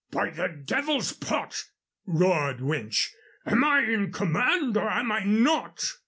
"By the Devil's Pot!" roared Winch, "am I in command, or am I not?"